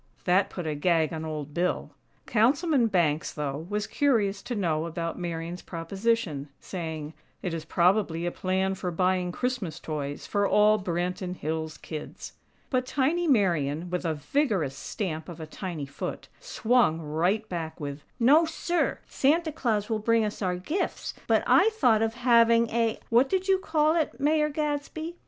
That put a gag on Old Bill. Councilman Banks, though, was curious to know about Marian's proposition, saying: "It is probably a plan for buying Christmas toys for all Branton Hills kids." But tiny Marian, with a vigorous stamp of a tiny foot, swung right back with: "NO, SIR!! Santa Claus will bring us our gifts! But I thought of having a what did you call it, Mayor Gadsby?"